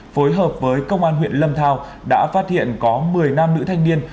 phối hợp với công an huyện lâm thao đã phát hiện có một mươi nam nữ thanh niên